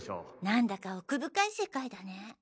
なんだか奥深い世界だね。